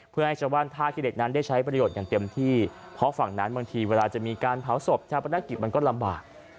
เพื่อให้ชาวบ้านท่าขี้เหล็กนั้นได้ใช้ประโยชน์อย่างเต็มที่เพราะฝั่งนั้นบางทีเวลาจะมีการเผาศพชาวประนักกิจมันก็ลำบาก